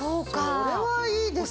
それはいいですね。